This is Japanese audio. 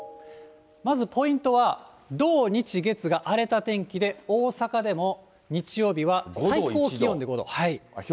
まずポイントは、土日月が荒れた天気で、大阪でも日曜日は最高気温で５度。